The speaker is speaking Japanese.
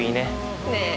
ねえ